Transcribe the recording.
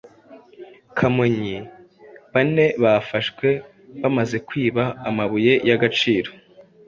Kamonyi: Bane bafashwe bamaze kwiba amabuye y’agaciro